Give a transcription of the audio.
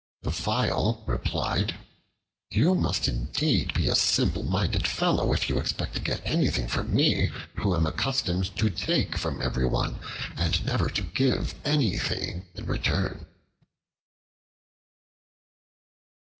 The File replied, "You must indeed be a simple minded fellow if you expect to get anything from me, who am accustomed to take from everyone, and never to give anything in return."